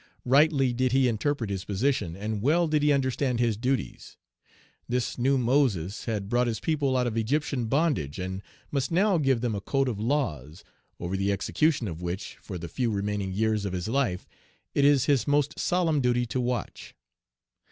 Rightly did he interpret his position, and well did he understand his duties. This new Moses had brought his people out of Egyptian bondage, and must now give them a code of laws, over the execution of which, for the few remaining years of his life, it is his most solemn duty to watch.